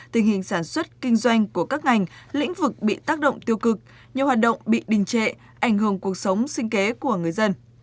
tình hình sản xuất kinh doanh của các ngành lĩnh vực bị tác động tiêu cực nhiều hoạt động bị đình trệ ảnh hưởng cuộc sống sinh kế của người dân